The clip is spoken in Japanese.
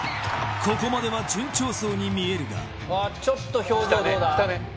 ここまでは順調そうに見えるがちょっと表情どうだ？